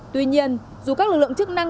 tuy nhiên dù các lực lượng chức năng